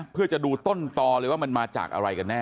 เพื่อจะดูต้นตอเลยว่ามันมาจากอะไรกันแน่